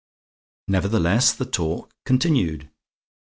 Nevertheless, the talk continued.